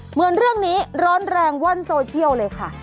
เหมือนเรื่องนี้ร้อนแรงว่อนโซเชียลเลยค่ะ